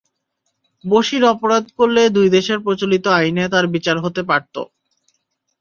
বশির অপরাধ করলে দুই দেশের প্রচলিত আইনে তাঁর বিচার হতে পারত।